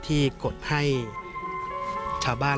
กดให้ชาวบ้าน